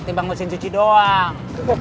timbang mesin cuci doang